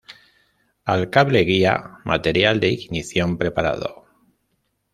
Al cable guía. Material de ignición preparado.